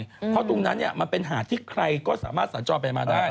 เพราะตรงนั้นมันเป็นหาดที่ใครก็สามารถสัญจรไปมาได้